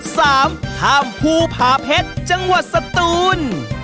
๓ถ้ำภูผ่าเพชรจังหวัดสตูน